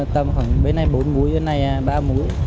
tầm khoảng bên này bốn mũi bên này ba mũi